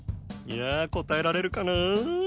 いやあ答えられるかな？